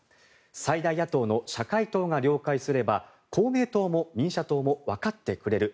最大野党の社会党が了解すれば公明党も民社党も分かってくれる。